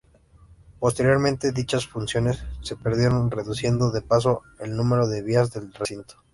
Posteriormente dichas funciones se perdieron reduciendo de paso el número de vías del recinto.